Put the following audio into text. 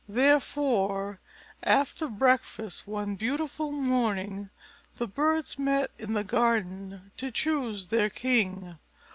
Therefore, after breakfast one beautiful morning, the birds met in the garden to choose their king.